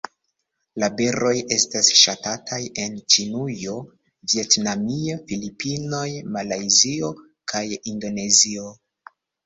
La beroj estas ŝatataj en Ĉinujo, Vjetnamio, Filipinoj, Malajzio kaj Indonezio.